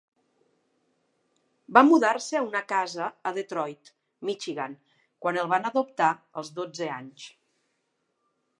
Va mudar-se a una casa a Detroit, Michigan, quan el van adoptar als dotze anys.